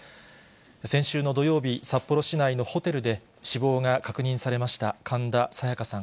先週の土曜日、札幌市内のホテルで死亡が確認されました神田沙也加さん